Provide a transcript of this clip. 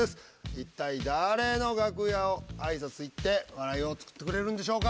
いったい誰の楽屋を挨拶行って笑いを作ってくれるんでしょうか？